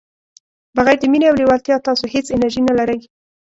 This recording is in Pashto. بغير د مینې او لیوالتیا تاسو هیڅ انرژي نه لرئ.